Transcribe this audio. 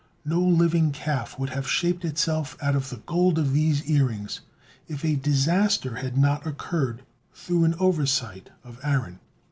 No living calf would have shaped itself out of the gold of these earrings, if a disaster had not occurred through an oversight of Aaron.